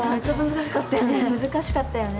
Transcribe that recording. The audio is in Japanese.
難しかったよね。